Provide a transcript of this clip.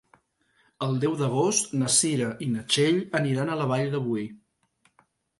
El deu d'agost na Cira i na Txell aniran a la Vall de Boí.